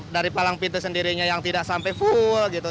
dari palang pintu sendirinya yang tidak sampai full gitu